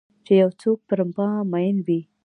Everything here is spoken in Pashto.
چې یو څوک پر مامین وي